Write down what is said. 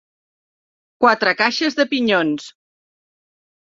Quatre caixes de pinyons.